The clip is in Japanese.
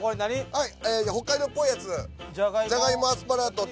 はい。